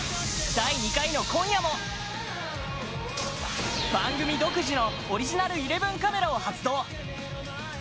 第２回の今夜も番組独自のオリジナルイレブンカメラを発動。